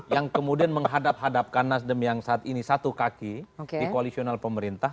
yang kemudian menghadap hadapkan nasdem yang saat ini satu kaki di koalisional pemerintah